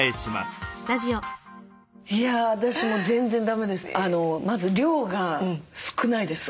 いや私も全然だめです。